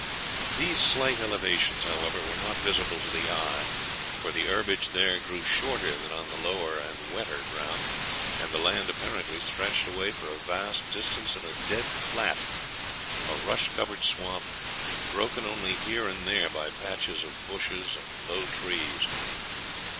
These slight elevations, however, were not visible to the eye, for the herbage here grew shorter than on the lower and wetter ground, and the land apparently stretched away for a vast distance in a dead flat a rush covered swamp, broken only here and there by patches of bushes and low trees.